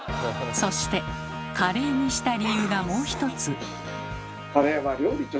そして「カレー」にした理由がもう一つ。